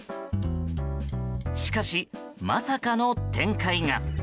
しかし、まさかの展開が。